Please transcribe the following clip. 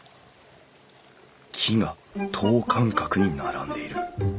木が等間隔に並んでいる。